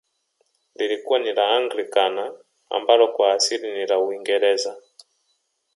Lilikuwa ni la Anglikana ambalo kwa asili ni la uingereza